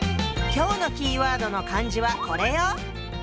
今日のキーワードの漢字はこれよ！